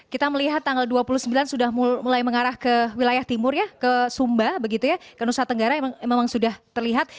kita melihat tanggal dua puluh sembilan sudah mulai mengarah ke wilayah timur ya ke sumba begitu ya ke nusa tenggara memang sudah terlihat